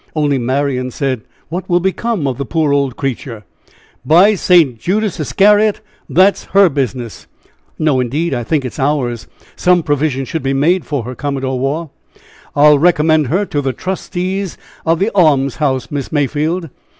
Only Marian said: "What will become of the poor old creature?" "By St. Judas Iscariot, that's her business." "No, indeed, I think it is ours; some provision should be made for her, Commodore Waugh." "I'll recommend her to the trustees of the almshouse, Miss Mayfield."